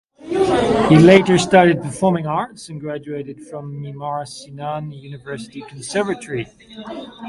He later studied performing arts and graduated from Mimar Sinan University Conservatory.